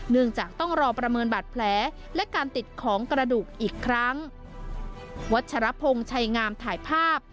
เนื่องจากต้องรอประเมินบาดแผลและการติดของกระดูกอีกครั้งวัชรพงศ์ชัยงามถ่ายภาพ